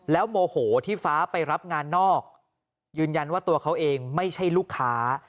โมโหที่ฟ้าไปรับงานนอกยืนยันว่าตัวเขาเองไม่ใช่ลูกค้า